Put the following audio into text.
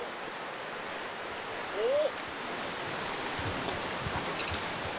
おっ！